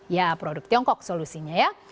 ya produk tiongkok solusinya ya